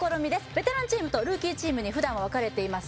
ベテランチームとルーキーチームに普段は分かれています